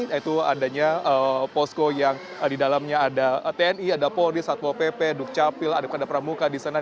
yaitu adanya posko yang di dalamnya ada tni ada polri satwo pp dukcapil ada pekanda pramuka disenan